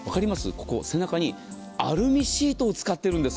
ここに背中にアルミシートを使っているんです。